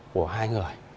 của hai người